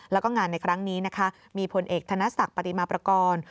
แล้วก็งานในครั้งนี้นะคะมีผลเอกธนศักดิ์ปฏิมาประกอบ